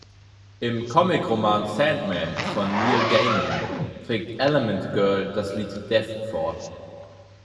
Im Comic-Roman Sandman von Neil Gaiman trägt „Element Girl“ das Lied Death vor.